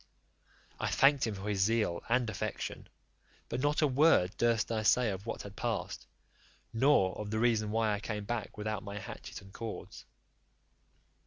I thanked him for his zeal and affection, but not a word durst I say of what had passed, nor of the reason why I came back without my hatchet and cords.